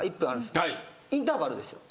インターバルですよ。